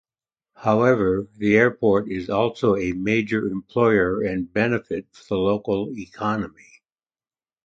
However, the airport is also a major employer and benefit for the local economy.